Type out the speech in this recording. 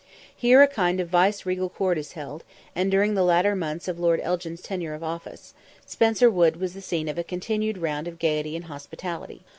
Here a kind of vice regal court is held; and during the latter months of Lord Elgin's tenure of office, Spencer Wood was the scene of a continued round of gaiety and hospitality.